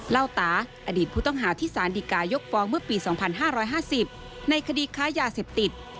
เล่าตาอดีตผู้ต้องหาที่สารดีกายกฟ้องเมื่อปี๒๕๕๐ในคดีค้ายาเสพติด